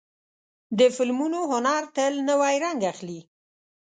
د فلمونو هنر تل نوی رنګ اخلي.